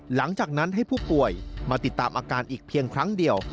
หลังจากนั้นให้ผู้ป่วยมาติดตามอาการอีกเพียงครั้งเดียว